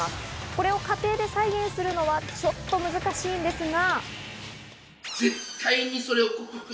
これを家庭で再現するのはちょっと難しいんですが。